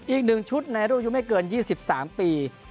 อีกหนึ่งชุดในรูปยุงไม่เกิน๒๓ปี